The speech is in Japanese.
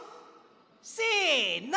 せの。